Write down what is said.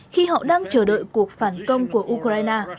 khi họ đang chờ đợi cuộc phản công của ukraine